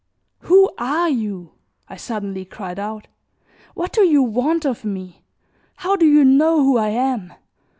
"Who are you?" I suddenly cried out; "what do you want of me? How do you know who I am?